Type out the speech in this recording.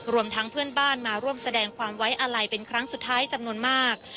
รวมทั้งเพื่อนบ้านมาร่วมแสดงความไว้อาลัยเป็นครั้งสุดท้ายจำนวนมาก